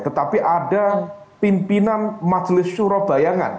tetapi ada pimpinan majelis surabaya